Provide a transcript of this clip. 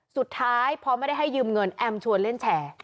สุดท้ายพอไม่ได้ให้ยืมเงินแอมชวนเล่นแชร์